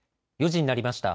４時になりました。